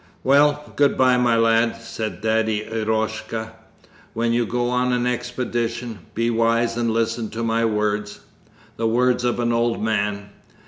'Well, good bye, my lad!' said Daddy Eroshka. 'When you go on an expedition, be wise and listen to my words the words of an old man.